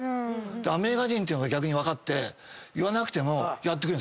アメリカ人ってのは逆に分かって言わなくてもやってくれる。